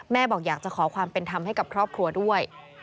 บอกอยากจะขอความเป็นธรรมให้กับครอบครัวด้วย